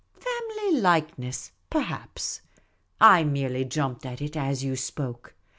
" Family likeness, perhaps. I merely jumped at it as you spoke.